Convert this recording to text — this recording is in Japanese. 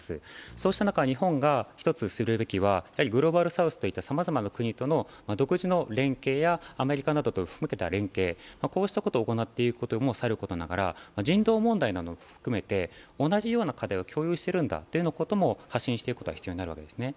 そうした中、日本が１つすべきはグローバルサウスといったさまざまな国との独自の連携やアメリカなどに向けた連携、こうしたことを行っていくこともさることながら、人道問題なども含めて、同じような課題を共有してるんだということを発信していくことも必要になるんですね。